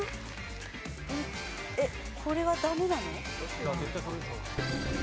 えっこれはダメなの？